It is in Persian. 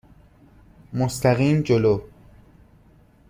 مستقیم جلو.